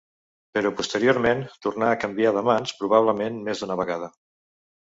Però posteriorment tornà a canviar de mans probablement més d'una vegada.